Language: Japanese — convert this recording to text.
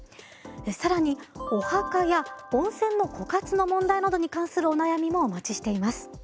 更にお墓や温泉の枯渇の問題などに関するお悩みもお待ちしています。